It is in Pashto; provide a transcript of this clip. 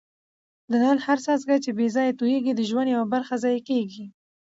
د نل هر څاڅکی چي بې ځایه تویېږي د ژوند یوه برخه ضایع کوي.